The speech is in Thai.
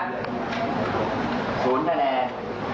๐แค่แนน